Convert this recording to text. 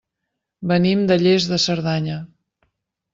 Venim de Lles de Cerdanya.